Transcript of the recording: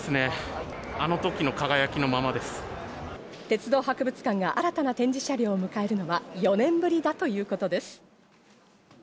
鉄道博物館が新たな展示車両を迎えるのは４年ぶりだということです。